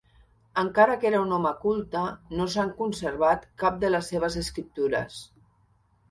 Encara que era un home culte, no s'han conservat cap de les seves escriptures.